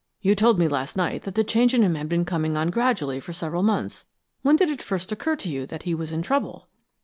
You told me last night that the change in him had been coming on gradually for several months. When did it first occur to you that he was in trouble?"